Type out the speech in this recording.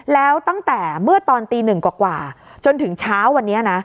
แล้วตั้งแต่เมื่อตอนตีหนึ่งกว่าจนถึงเช้าวันนี้นะ